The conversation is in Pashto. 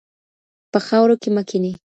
په خاورو کې مه کینئ.